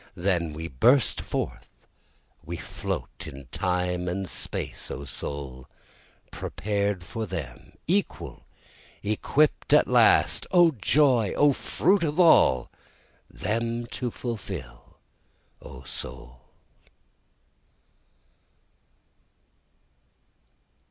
Then we burst forth, we float, In Time and Space O soul, prepared for them, Equal, equipt at last, (O joy! O fruit of all!) them to fulfil O soul.